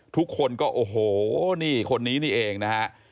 ทุกคนก็โอ้โหนี่คนนี้นี่เองนะฮะ